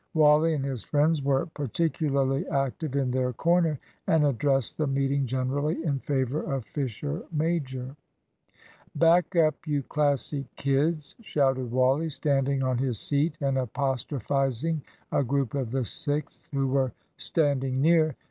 Wally and his friends were particularly active in their corner, and addressed the meeting generally in favour of Fisher major. "Back up, you Classic kids!" shouted Wally, standing on his seat and apostrophising a group of the Sixth who were standing near.